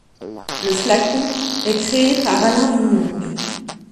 Le flacon, est créé par Alain de Mourgues.